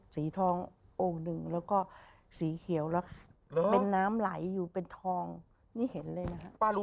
สีทองนึงและก็สีเขียวและบันน้ำไหลอยู่เป็นทองนี่เห็นเลยนะครับ